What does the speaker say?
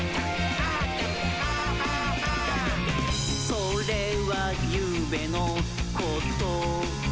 「それはゆうべのことだった」